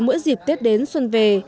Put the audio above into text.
mỗi dịp tết đến xuân về